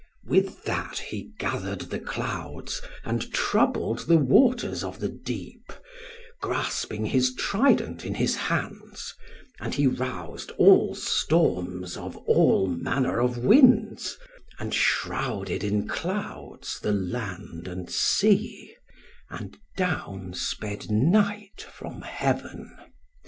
"With that he gathered the clouds and troubled the waters of the deep, grasping his trident in his hands; and he roused all storms of all manner of winds, and shrouded in clouds the land and sea: and down sped night from heaven.